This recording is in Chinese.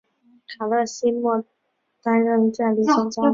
卡勒西莫担任代理总教练。